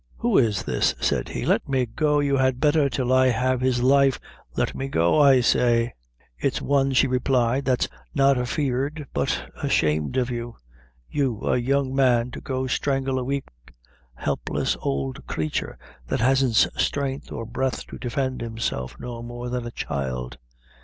"Who is this?" said he; "let me go, you had better, till I have his life let me go, I say." "It's one," she replied, "that's not afeard but ashamed of you. You, a young man, to go strangle a weak, helpless ould creature, that hasn't strength or breath to defend himself no more then a child."